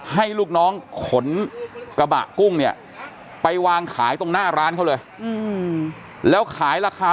ให้ลูกน้องขนกระบะกุ้งเนี่ยไปวางขายตรงหน้าร้านเขาเลยแล้วขายราคา